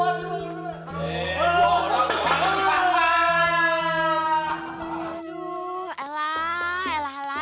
aduh elah elah elah